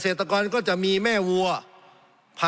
สงบจนจะตายหมดแล้วครับ